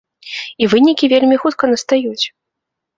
І вынікі вельмі хутка настаюць.